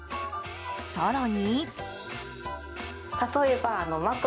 更に。